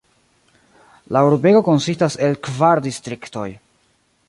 La urbego konsistas el kvar distriktoj.